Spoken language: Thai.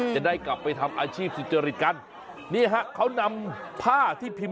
จะได้กลับไปทำอาชีพสุจริตกันนี่ฮะเขานำผ้าที่พิมพ์